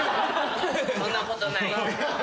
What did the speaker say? そんなことない。